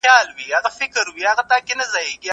تاسو باید دا کتاب خپلو ملګرو ته هم ډالۍ کړئ.